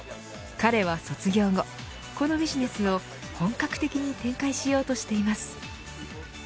彼は卒業後このビジネスを本格的に展開しようとしています。